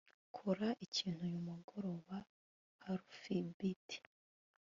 Kora ikintu uyu mugoroba halfbt